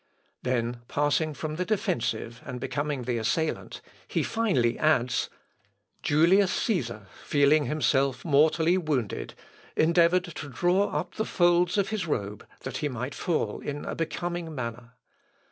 Then passing from the defensive and becoming the assailant, he finely adds, "Julius Cæsar, feeling himself mortally wounded, endeavoured to draw up the folds of his robe that he might fall in a becoming manner.